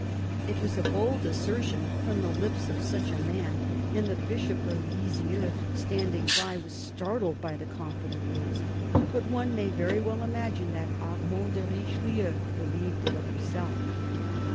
It was a bold assertion from the lips of such a man, and the Bishop of Lisieux, standing by, was startled by the confident words. But one may very well imagine that Armand de Richelieu believed it of himself.